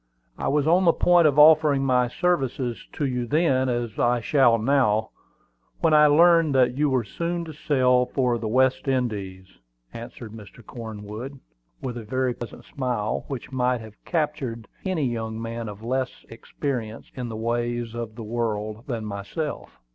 I was on the point of offering my services to you then, as I shall now, when I learned that you were soon to sail for the West Indies," answered Mr. Cornwood, with a very pleasant smile, which might have captured any young man of less experience in the ways of the world than myself.